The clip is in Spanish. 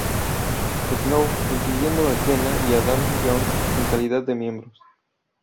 Show", incluyendo a Keenan y a Adam Jones en calidad de miembros.